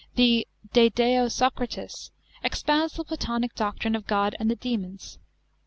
The De deo Socratis expounds the Platonic doctrine of God and the daemons.